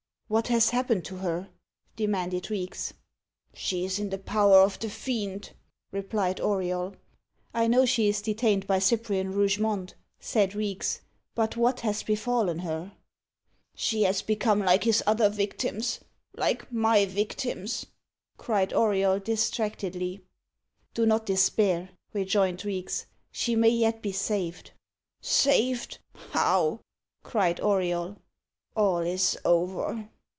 "What has happened to her?" demanded Reeks. "She is in the power of the Fiend," replied Auriol. "I know she is detained by Cyprian Rougemont," said Reeks. "But what has befallen her?" "She has become like his other victims like my victims!" cried Auriol distractedly. "Do not despair," rejoined Reeks. "She may yet be saved." "Saved! how?" cried Auriol. "All is over."